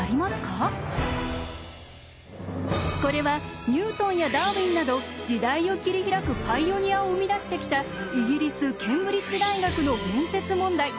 こちらはこれはニュートンやダーウィンなど時代を切り開くパイオニアを生み出してきたイギリス・ケンブリッジ大学の面接問題。